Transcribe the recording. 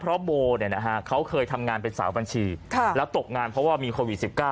เพราะโบเขาเคยทำงานเป็นสาวบัญชีแล้วตกงานเพราะว่ามีโควิด๑๙